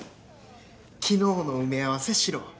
昨日の埋め合わせしろ。